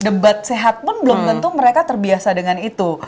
debat sehat pun belum tentu mereka terbiasa dengan itu